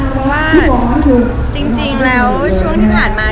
เพราะว่าจริงแล้วช่วงที่ผ่านมา